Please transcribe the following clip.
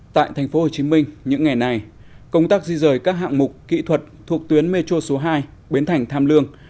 tại tp hcm những ngày này công tác di rời các hạng mục kỹ thuật thuộc tuyến metro số hai bến thành tham lương